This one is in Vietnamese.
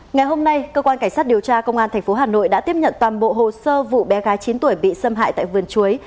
ngày hôm nay cơ quan cảnh sát điều tra công an tp hà nội đã tiếp nhận toàn bộ hồ sơ vụ bé gái chín tuổi bị xâm hại tại vườn chuối